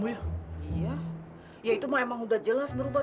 ya itu memang sudah jelas berubah